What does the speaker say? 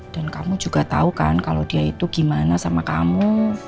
dan kamu juga tau kan kalo dia itu gimana sama kamu